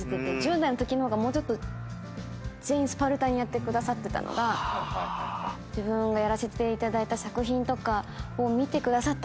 １０代のときの方がもうちょっと全員スパルタにやってくださってたのが自分がやらせていただいた作品を見てくださった方とかはもう。